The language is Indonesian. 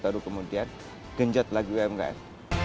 baru kemudian genjot lagi umkm